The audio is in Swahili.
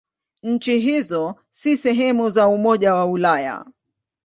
Nchi hizo si sehemu za Umoja wa Ulaya.